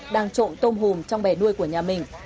đang trộn tôm hùm trong bè nuôi của nhà mình